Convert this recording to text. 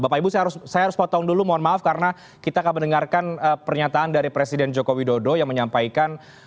bapak ibu saya harus potong dulu mohon maaf karena kita akan mendengarkan pernyataan dari presiden joko widodo yang menyampaikan